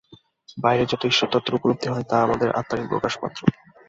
বাইরে যা ঈশ্বরতত্ত্বের উপলব্ধি হয়, তা আমাদের আত্মারই প্রকাশমাত্র।